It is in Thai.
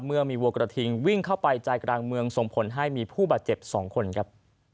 เมื่อมีวัวกระทิงวิ่งเข้าไปใจกลางเมืองส่งผลให้มีผู้บาดเจ็บ๒คนครับ